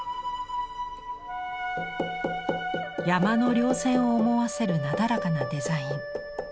山の稜線を思わせるなだらかなデザイン。